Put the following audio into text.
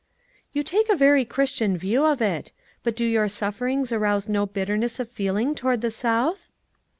'" "You take a very Christian view of it; but do your sufferings arouse no bitterness of feeling towards the South?"